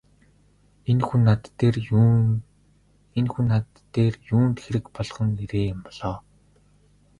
Энэ хүн над дээр юунд хэрэг болгон ирээ юм бол оо!